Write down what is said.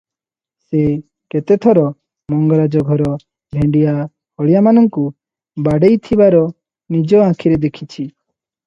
ସେ କେତେ ଥର ମଙ୍ଗରାଜ ଘର ଭେଣ୍ତିଆ ହଳିଆମାନଙ୍କୁ ବାଡ଼େଇଥିବାର ନିଜ ଆଖିରେ ଦେଖିଛି ।